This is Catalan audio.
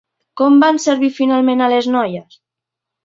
Com van servir finalment a les noies?